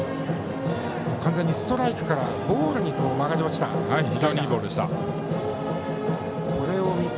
完全にストライクからボールに曲がり落ちたボール。